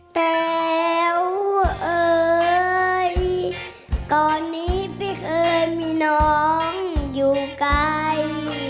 แต๋วเอ่ยก่อนนี้ไม่เคยมีน้องอยู่ไกล